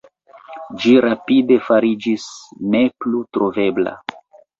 Ĝi rapide fariĝis ne plu trovebla.